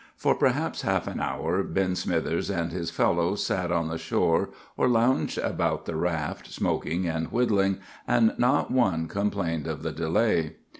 "For perhaps half an hour Ben Smithers and his fellows sat on the shore or lounged about the raft, smoking and whittling, and not one complained of the delay.